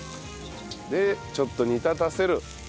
でちょっと煮立たせる。